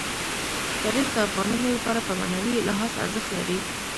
تاریخ د افغانانو لپاره په معنوي لحاظ ارزښت لري.